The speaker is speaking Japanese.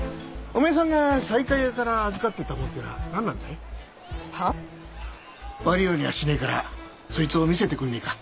おめえさんが西海屋から預かってたものってぇのは何なんだい？は？悪いようにはしねえからそいつを見せてくんねえか。